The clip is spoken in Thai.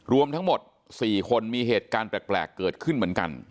รวมทั้งหมด๔คนมีเหตุการณ์แปลกเกิดขึ้นเหมือนกัน